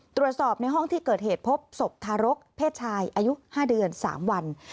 ตรวจสอบในห้องที่เกิดเหตุพบศพทารกเพศชายอายุ๕เดือน๓วัน